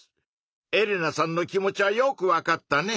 エレナさんの気持ちはよくわかったね。